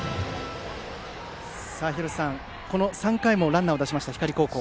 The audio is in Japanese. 廣瀬さん、この３回もランナーを出しました光高校。